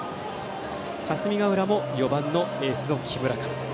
霞ヶ浦も４番のエースの木村から。